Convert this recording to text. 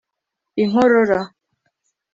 inkorora